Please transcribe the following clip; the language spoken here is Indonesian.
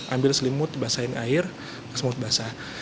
ambil selimut basahin air kesemut basah